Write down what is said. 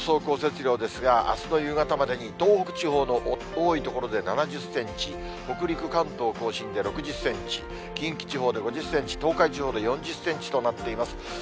降雪量ですが、あすの夕方までに東北地方の多い所で７０センチ、北陸、関東甲信で６０センチ、近畿地方で５０センチ、東海地方で４０センチとなっています。